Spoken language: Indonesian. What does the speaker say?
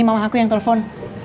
ini mama aku yang telpon